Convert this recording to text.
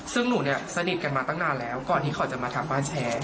ซึ่งหนูเนี่ยสนิทกันมาตั้งนานแล้วก่อนที่เขาจะมาทำบ้านแชร์